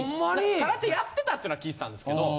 空手やってたっていうのは聞いてたんですけど。